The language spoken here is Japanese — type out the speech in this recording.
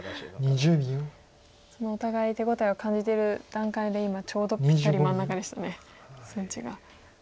そのお互い手応えを感じてる段階で今ちょうどぴったり真ん中でした数値が。